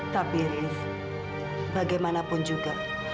tapi riz bagaimanapun juga